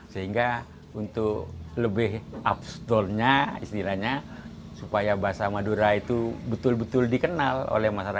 sehingga untuk lebih absdownnya istilahnya supaya bahasa madura itu betul betul dikenal oleh masyarakat